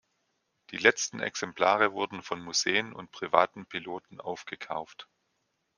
Die letzten Exemplare wurden von Museen und privaten Piloten aufgekauft.